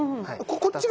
こっちが前？